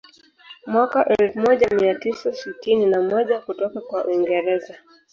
Mwaka elfu moja mia tisa sitini na moja kutoka kwa Uingereza